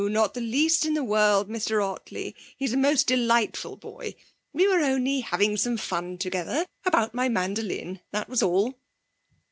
Not the least in the world, Mr Ottley! He's a most delightful boy. We were only having some fun together about my mandolin; that was all!'